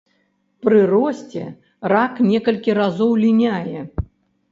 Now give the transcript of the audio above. Пры росце рак некалькі разоў ліняе.